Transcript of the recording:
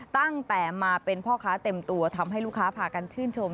ตั้งแต่มาเป็นพ่อค้าเต็มตัวทำให้ลูกค้าพากันชื่นชม